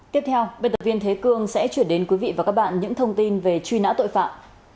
tiếp theo biên tập viên thế cương sẽ chuyển đến quý vị và các bạn những thông tin về truy nã tội phạm